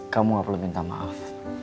kamu gak perlu minta maaf